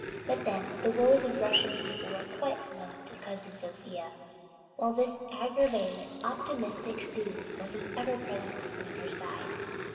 But then the woes of the Russian people were quite unknown to Cousin Sophia, while this aggravating, optimistic Susan was an ever present thorn in her side.